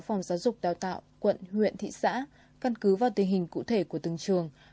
phòng giáo dục đào tạo quận huyện thị xã căn cứ vào tình hình cụ thể của từng trường